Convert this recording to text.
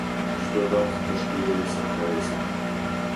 Çdo datë të shlyerjes së interesit.